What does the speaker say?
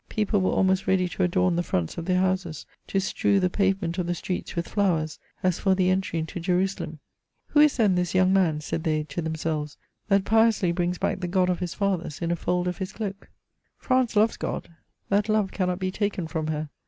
People were almost ready to adorn the fronts of their houses, to strew the pavement of the streets with flowers, as for the entry into Jerusalem. Who is then this young man, said they to themselves, that piously brings back the G^d of his fathers in a fold of his cloak ? France loves God : that love cannot be taken from her.